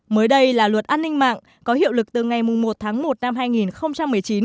mới đây là luật an ninh mạng có hiệu lực từ ngày một tháng một năm hai nghìn một mươi chín